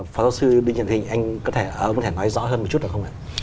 phó giáo sư định trần thịnh anh có thể nói rõ hơn một chút được không ạ